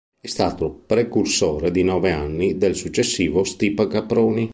È stato precursore, di nove anni, del successivo Stipa Caproni.